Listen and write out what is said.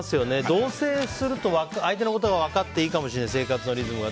同棲すると相手のことが分かっていいかもしれない生活のリズムが。